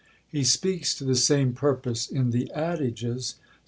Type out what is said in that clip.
He speaks to the same purpose in the Adages, c.